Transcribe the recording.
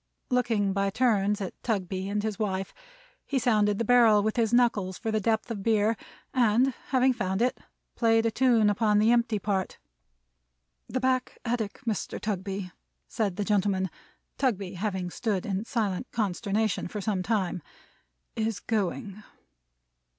Looking by turns at Tugby and his wife, he sounded the barrel with his knuckles for the depth of beer, and having found it, played a tune upon the empty part. "The back attic, Mr. Tugby," said the gentleman: Tugby having stood in silent consternation for some time; "is Going."